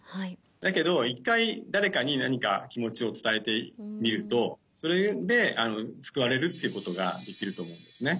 だけど１回誰かに何か気持ちを伝えてみるとそれで救われるっていうことができると思うんですね。